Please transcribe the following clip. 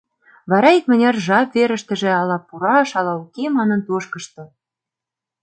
Вара икмыняр жап верыштыже ала пураш, ала уке манын тошкышто.